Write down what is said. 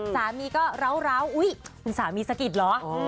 สามีก็ร้าวอุ๊ยคุณสามีสะกิดเหรอ